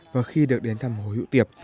và khi được đến thăm hồ hiếu tiệp